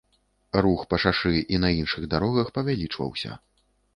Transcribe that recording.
Рух па шашы і на іншых дарогах павялічваўся.